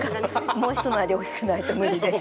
もう一回り大きくないと無理です。